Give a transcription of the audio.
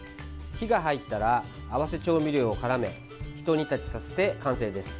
火が入ったら合わせ調味料をからめひと煮立ちさせて完成です。